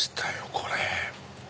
これ。